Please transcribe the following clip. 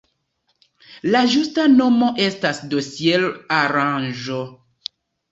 La ĝusta nomo estas dosier-aranĝo.